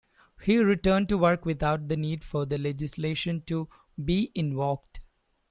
He returned to work without the need for the legislation to be invoked.